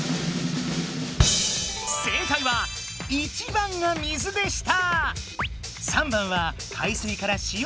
正解は１番が「水」でした！